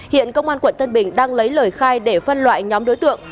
hiện công an quận tân bình đang lấy lời khai để phân loại nhóm đối tượng